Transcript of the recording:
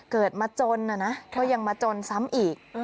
เกิดมาจนนะนะก็ยังมาจนซ้ำอีก